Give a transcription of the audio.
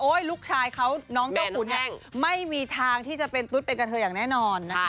โอ๊ยลูกชายเขาน้องเจ้าขุนไม่มีทางที่จะเป็นตุ๊ดเป็นกะเถยอย่างแน่นอนนะคะ